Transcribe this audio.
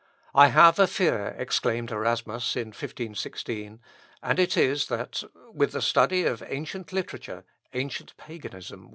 "I have a fear," exclaimed Erasmus in 1516, "and it is, that, with the study of ancient literature, ancient Paganism will re appear."